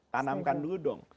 tanamkan dulu dong